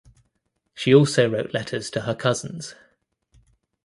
She also wrote letters to her cousins.